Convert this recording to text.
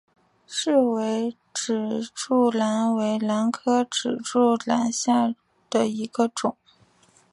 雉尾指柱兰为兰科指柱兰属下的一个种。